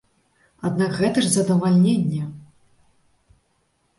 Аднак гэта ж задавальненне!